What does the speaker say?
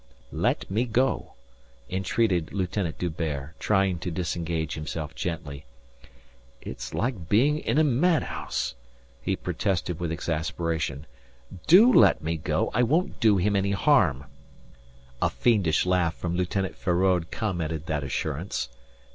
"Let me go," entreated Lieutenant D'Hubert, trying to disengage himself gently. "It's like being in a madhouse," he protested with exasperation. "Do let me go, I won't do him any harm." A fiendish laugh from Lieutenant Feraud commented that assurance.